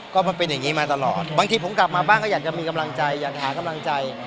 ก็มันเป็นอย่างนี้มาตลอดบางทีผมกลับมาบ้างก็อยากจะมีกำลังใจอยากหากำลังใจ